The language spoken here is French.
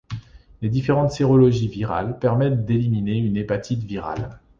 Les différentes sérologies virales permettent d'éliminer une hépatite virale.